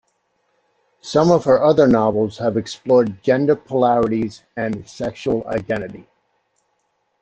Some of her other novels have explored gender polarities and sexual identity.